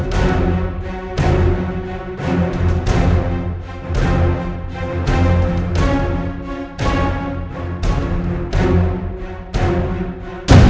sampai jumpa gak